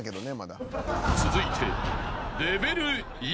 ［続いて］